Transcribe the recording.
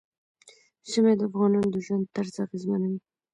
ژمی د افغانانو د ژوند طرز اغېزمنوي.